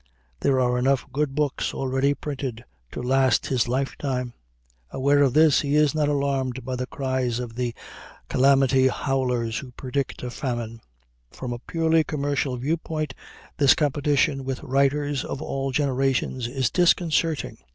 There are enough good books already printed to last his life time. Aware of this, he is not alarmed by the cries of the "calamity howlers" who predict a famine. From a purely commercial viewpoint, this competition with writers of all generations is disconcerting.